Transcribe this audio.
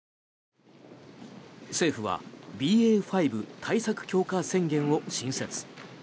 政府はＢＡ．５対策強化宣言を新設。